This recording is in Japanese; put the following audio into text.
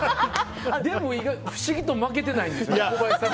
不思議と負けてないですよね。